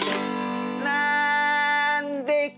「なんでか？」